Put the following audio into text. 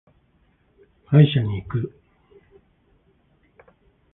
歯医者に行く。